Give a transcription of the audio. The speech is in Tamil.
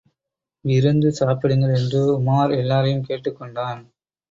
விருந்து சாப்பிடுங்கள்! என்று உமார் எல்லோரையும் கேட்டுக் கொண்டான்.